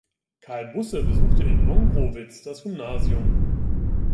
Carl Busse besuchte in Wongrowitz das Gymnasium.